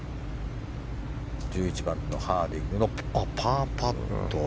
１１番のハーディングのパーパット。